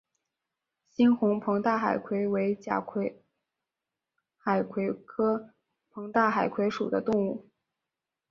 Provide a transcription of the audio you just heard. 猩红膨大海葵为甲胄海葵科膨大海葵属的动物。